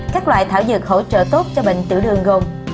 các loại thảo dược hỗ trợ tốt cho bệnh tiểu đường gồm